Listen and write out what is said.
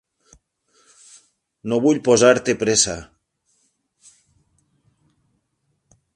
No vull posar-te pressa.